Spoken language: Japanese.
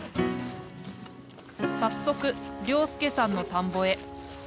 早速良介さんの田んぼへ。